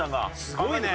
すごいね。